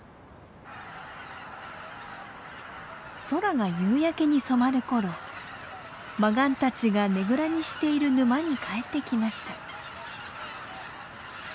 空が夕焼けに染まる頃マガンたちがねぐらにしている沼に帰ってきました。